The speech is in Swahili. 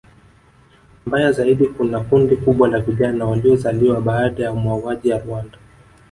Mbaya zaidi kuna kundi kubwa la vijana waliozaliwa baada ya mauaji ya Rwanda